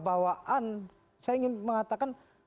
bawaan saya ingin mengatakan